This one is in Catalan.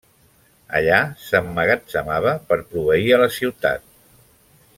Allà s'emmagatzemava per proveir a la ciutat.